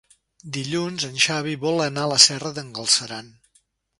Dilluns en Xavi vol anar a la Serra d'en Galceran.